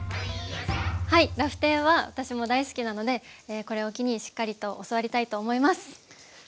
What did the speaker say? はいラフテーは私も大好きなのでこれを機にしっかりと教わりたいと思います。